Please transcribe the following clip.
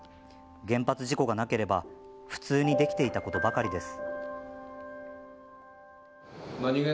原発事故がなければ普通にできていたことばかりです。